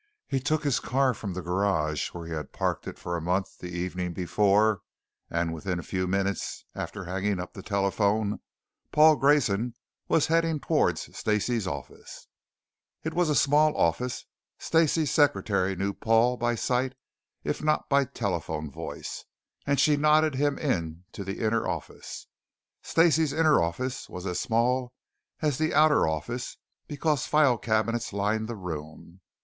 He took his car from the garage where he had parked it for a month the evening before, and within a few minutes after hanging up the telephone, Paul Grayson was heading towards Stacey's office. It was a small office. Stacey's secretary knew Paul by sight if not by telephone voice, and she nodded him in to the inner office. Stacey's inner office was as small as the outer office because file cabinets lined the room.